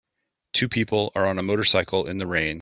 Two people are on a motorcycle in the rain.